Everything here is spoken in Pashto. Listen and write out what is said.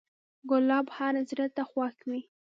ګلاب هر زړه ته خوښ وي.